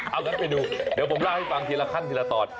เอางั้นไปดูเดี๋ยวผมเล่าให้ฟังทีละขั้นทีละตอน